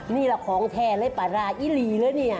นี่คือของแทนและปลาร่าอิหรี่เลย